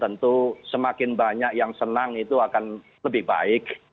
tentu semakin banyak yang senang itu akan lebih baik